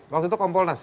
jadi itu tukar dari